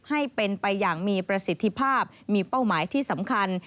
ให้เป็นไปอย่างมีประสิทธิภาพมีเป้าหมายที่สำคัญ